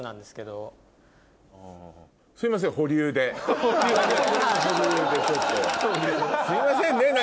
すいませんね